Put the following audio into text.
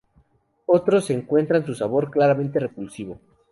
Otros encuentran su sabor claramente repulsivo.